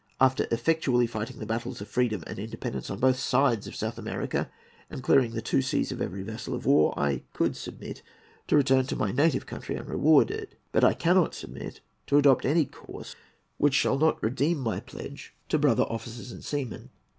After effectually fighting the battles of freedom and independence on both sides of South America, and clearing the two seas of every vessel of war, I could submit to return to my native country unrewarded; but I cannot submit to adopt any course which shall not redeem my pledge to my brother officers and seamen."